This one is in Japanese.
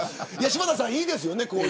柴田さん、いいですよね。